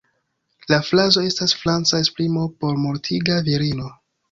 La frazo estas franca esprimo por "mortiga virino".